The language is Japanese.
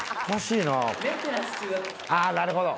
あぁなるほど！